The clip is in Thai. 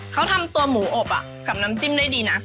เขาทำตัวหมูอบกับน้ำจิ้มได้ดีนะ